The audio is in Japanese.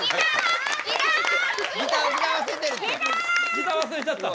ギター忘れちゃった。